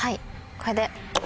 これで。